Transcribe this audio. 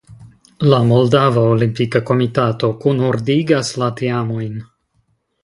La Moldava Olimpika Komitato kunordigas la teamojn.